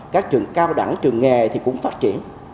các trường cao đẳng trường nghề thì cũng phát triển